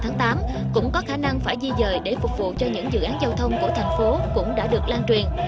tháng tám cũng có khả năng phải di dời để phục vụ cho những dự án giao thông của thành phố cũng đã được lan truyền